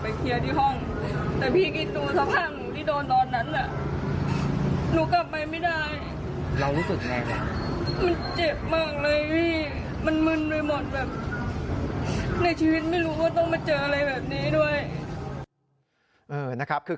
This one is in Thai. ในชีวิตไม่รู้ว่าต้องมาเจออะไรแบบนี้ด้วย